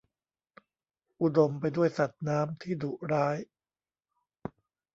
อุดมไปด้วยสัตว์น้ำที่ดุร้าย